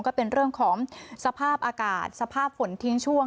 ก็เป็นเรื่องของสภาพอากาศสภาพฝนทิ้งช่วง